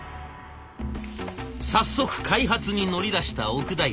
早速開発に乗り出した奥平。